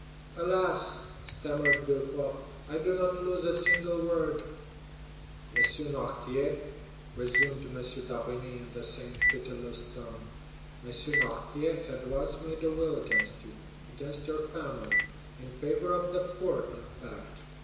"Alas," stammered Villefort, "I do not lose a single word." "M. Noirtier," resumed M. d'Avrigny in the same pitiless tone,—"M. Noirtier had once made a will against you—against your family—in favor of the poor, in fact; M.